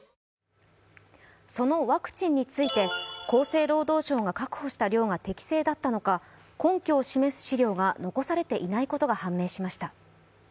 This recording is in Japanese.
そのワクチンについて厚生労働省が確保した量が適正だったのか根拠を示す資料が残されていないことが判明しました。